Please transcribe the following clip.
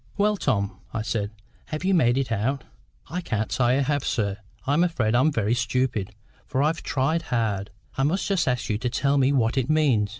"Well, Tom," I said, "have you made it out?" "I can't say I have, sir. I'm afraid I'm very stupid, for I've tried hard. I must just ask you to tell me what it means.